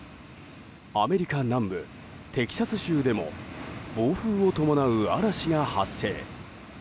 アメリカ南部テキサス州でも暴風を伴う嵐が発生。